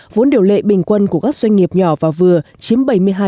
vốn điều lệ bình quân của các doanh nghiệp nhỏ và vừa chiếm bảy mươi hai